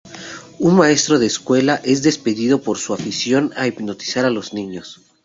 Un maestro de escuela es despedido por su afición a hipnotizar a los niños.